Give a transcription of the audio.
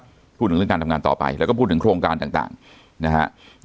ก็พูดถึงเรื่องการทำงานต่อไปแล้วก็พูดถึงโครงการต่างนะฮะ